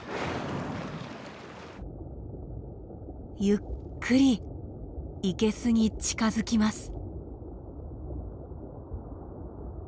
ゆっくり生けすに近づきます。